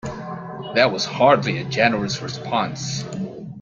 That was hardly a generous response.